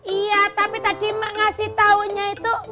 iya tapi tadi emak ngasih taunya itu